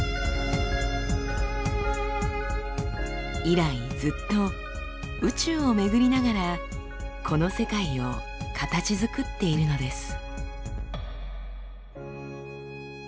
以来ずっと宇宙を巡りながらこの世界を形づくっているのです。